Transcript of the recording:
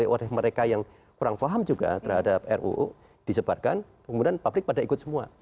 oleh mereka yang kurang paham juga terhadap ruu disebarkan kemudian publik pada ikut semua